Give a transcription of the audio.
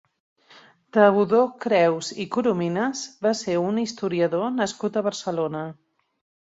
Teodor Creus i Corominas va ser un historiador nascut a Barcelona.